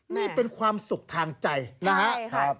นี่เป็นความสุขทางใจนะครับ